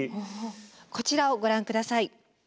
こちらをご覧下さい。